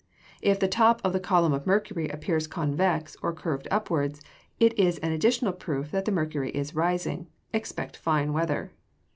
If the top of the column of mercury appears convex, or curved upwards, it is an additional proof that the mercury is rising. Expect fine weather.